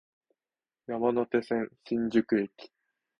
山手線、新宿駅